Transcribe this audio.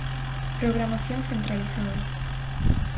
Programación centralizada.